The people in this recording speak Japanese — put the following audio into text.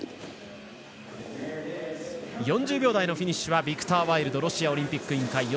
４０秒台のフィニッシュはビクター・ワイルドロシアオリンピック委員会